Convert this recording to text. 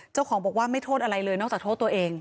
เจ้าของบอกว่าไม่โทษอะไรเลยนอกจากโทษตัวเอง